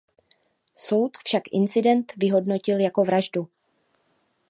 Soud však incident vyhodnotil jako vraždu.